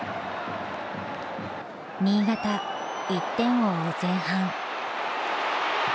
新潟、１点を追う前半。